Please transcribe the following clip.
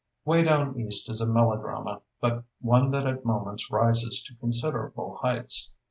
"Way Down East" is a melodrama, but one that at moments rises to considerable heights.